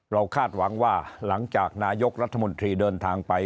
คาดหวังว่าหลังจากนายกรัฐมนตรีเดินทางไป